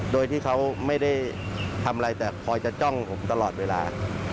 โดยที่เขาไม่ได้ทำอะไรแต่คอยจะจ้องผมตลอดเวลา